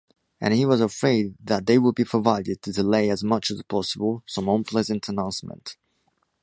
And he was afraid that they would be provided to delay as much as possible some unpleasant announcement.